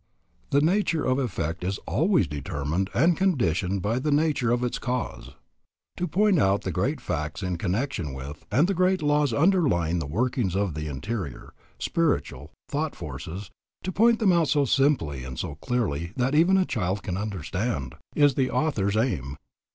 The nature of effect is always determined and conditioned by the nature of its cause. To point out the great facts in connection with, and the great laws underlying the workings of the interior, spiritual, thought forces, to point them out so simply and so clearly that even a child can understand, is the author's aim.